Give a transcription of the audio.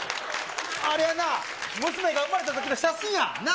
あれな、娘が産まれたときの写真や。なぁ？